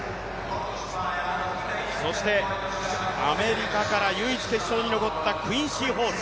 そしてアメリカから唯一決勝に残ったクインシー・ホール。